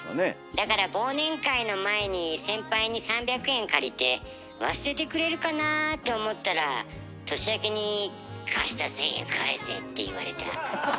だから忘年会の前に先輩に３００円借りて忘れてくれるかなと思ったら年明けに「貸した１，０００円返せ」って言われた。